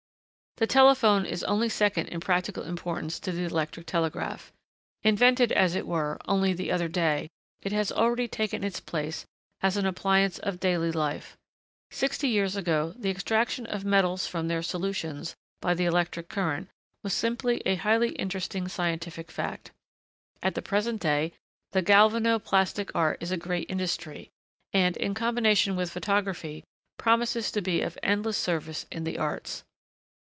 The telephone is only second in practical importance to the electric telegraph. Invented, as it were, only the other day, it has already taken its place as an appliance of daily life. Sixty years ago, the extraction of metals from their solutions, by the electric current, was simply a highly interesting scientific fact. At the present day, the galvano plastic art is a great industry; and, in combination with photography, promises to be of endless service in the arts.